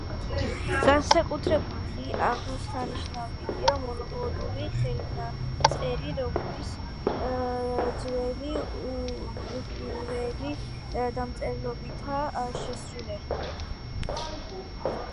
განსაკუთრებით აღსანიშნავია მონღოლური ხელნაწერი, რომელიც ძველი უიღურული დამწერლობითაა შესრულებული.